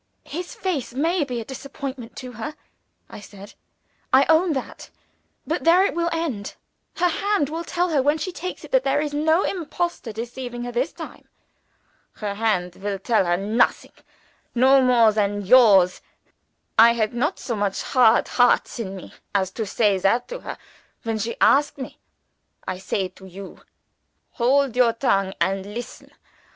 "His face may be a disappointment to her," I said "I own that. But there it will end. Her hand will tell her, when he takes it, that there is no impostor deceiving her this time." "Her hand will tell her nothing no more than yours. I had not so much hard hearts in me as to say that to her, when she asked me. I say it to you. Hold your tongue and listen.